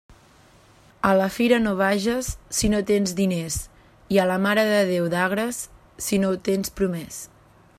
A la fira no vages si no tens diners, i a la Mare de Déu d'Agres si no ho tens promés.